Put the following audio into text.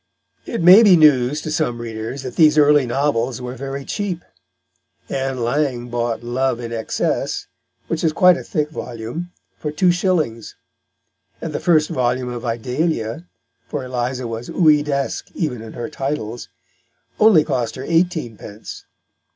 It may be news to some readers that these early novels were very cheap. Ann Lang bought Love in Excess, which is quite a thick volume, for two shillings; and the first volume of Idalia (for Eliza was Ouidaesque even in her titles) only cost her eighteen pence.